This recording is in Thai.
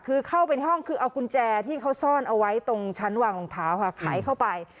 คือเข้าไปห้องคือเอากุญแจที่เขาซ่อนเอาไว้ตรงชั้นวางรองเท้าค่ะไขเข้าไป